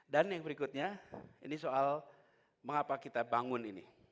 dan yang berikutnya ini soal mengapa kita bangun ini